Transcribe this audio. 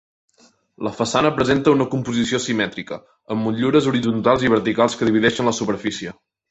La façana presenta una composició simètrica, amb motllures horitzontals i verticals que divideixen la superfície.